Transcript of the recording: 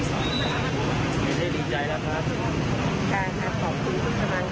สำนวนชีวิตกว่าความรักก็เกี่ยวกับผู้ปกครองกลับสี่นี้